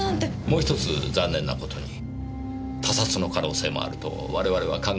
もうひとつ残念なことに他殺の可能性もあると我々は考えています。